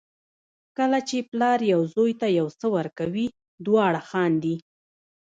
کله چې پلار یو زوی ته یو څه ورکوي دواړه خاندي.